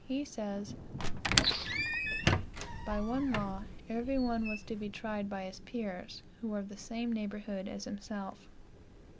He says: "By one law, every one was to be tried by his peers, who were of the same neighborhood as himself.